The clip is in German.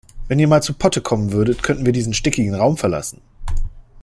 Wenn ihr mal zu Potte kommen würdet, könnten wir diesen stickigen Raum verlassen.